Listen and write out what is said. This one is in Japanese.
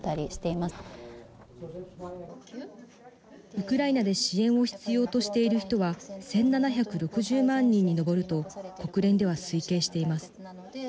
ウクライナで支援を必要としている人は１７６０万人に上ると国連では推計しています。